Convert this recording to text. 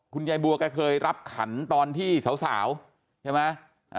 ยายบัวแกเคยรับขันตอนที่สาวใช่ไหม